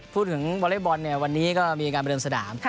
พูดถึงวอเล็กบอลเนี่ยวันนี้ก็มีการประเดิมสนาม